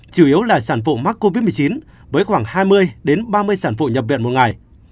chủ yếu là sản phụ mắc covid một mươi chín với khoảng hai mươi ba mươi sản phụ nhập viện một ngày